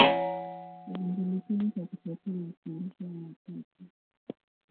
Alijulikana kwa kutetea mafundisho ya Mapapa.